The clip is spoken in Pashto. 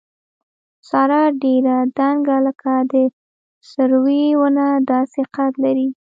ساره ډېره دنګه لکه د سروې ونه داسې قد لري.